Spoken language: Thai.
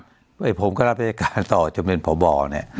เพราะฉะนั้นผมก็รับรายการต่อจำเป็นผ่าบ่อเนี้ยอืม